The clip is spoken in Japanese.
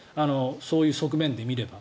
そういう側面で見れば。